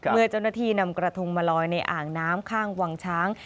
เมื่อเจ้าหน้าที่นำกระทงมาลอยในอ่างน้ำข้างวังช้าง